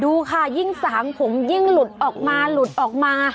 ดูค่ะยิ่งสางผมยิ่งหลุดออกมาหลุดออกมา